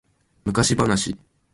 昔話